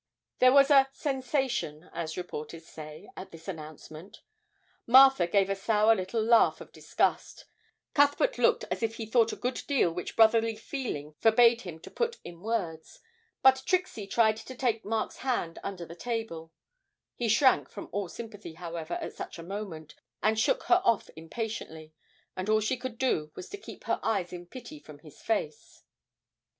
There was a 'sensation,' as reporters say, at this announcement: Martha gave a sour little laugh of disgust; Cuthbert looked as if he thought a good deal which brotherly feeling forbade him to put in words; but Trixie tried to take Mark's hand under the table he shrank from all sympathy, however, at such a moment, and shook her off impatiently, and all she could do was to keep her eyes in pity from his face.